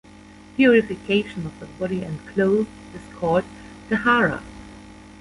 Purification of the body and clothes is called "taharah".